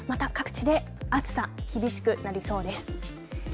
また、各地で暑さ厳しくなりそうです。